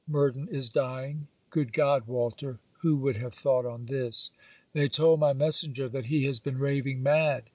Murden is dying. Good God, Walter! who would have thought on this? They told my messenger that he has been raving mad!